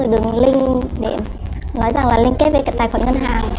đường ninh để nói rằng là liên kết với tài khoản ngân hàng